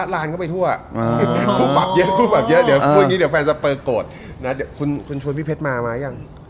แล้วคุณชัดพี่เพชรมาอย่าง